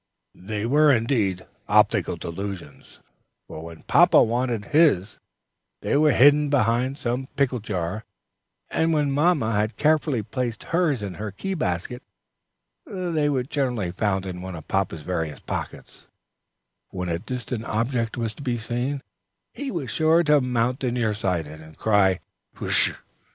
There were, indeed, optical delusions practiced with them; for when papa wanted his, they were hidden behind some pickle jar; and when mamma had carefully placed hers in her key basket, they were generally found in one of papa's various pockets; when a distant object was to be seen, he was sure to mount the near sighted, and cry "Pshaw!"